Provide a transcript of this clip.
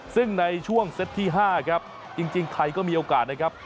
ซึ่งในช่วงเซตที่๕ครับจริงไทยก็มีโอกาสนะครับ